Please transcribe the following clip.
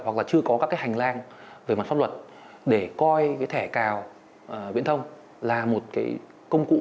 hoặc là chưa có các cái hành lang về mặt pháp luật để coi cái thẻ cào viễn thông là một cái công cụ